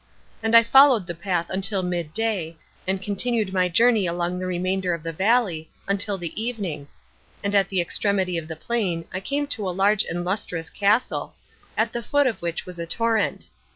And I followed the path until midday, and continued my journey along the remainder of the valley until the evening; and at the extremity of the plain I came to a large and lustrous castle, at the foot of which was a torrent.